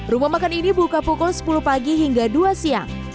rumah makan ini buka pukul sepuluh pagi hingga dua siang